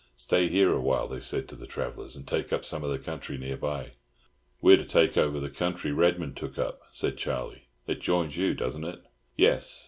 "Stay here a while," they said to the travellers, "and take up some of the country near by." "We're to take over the country Redman took up," said Charlie. "It joins you doesn't it?" "Yes.